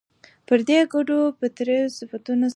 پر دې ګډو فطري صفتونو سربېره